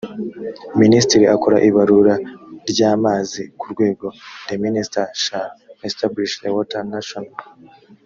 minisitiri akora ibarura ry amazi ku rwego the minister shall establish a water national